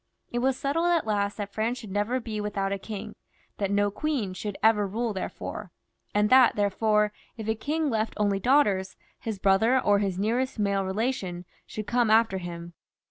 It was settled at last that France should never be without a king, that no queen should ever rule there, and that therefore, if a king left only daughters, his brother, or his nearest male relation, should come after him.